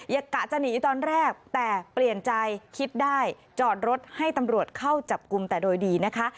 กะจะหนีตอนแรกแต่เปลี่ยนใจคิดได้จอดรถให้ตำรวจเข้าจับกลุ่มแต่โดยดีนะคะ